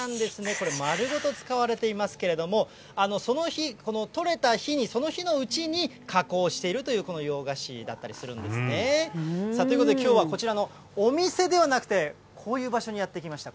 これ、丸ごと使われていますけれども、その日、とれた日に、その日のうちに加工しているという、この洋菓子だったりするんですね。ということで、きょうはこちらのお店ではなくて、こういう場所にやって来ました。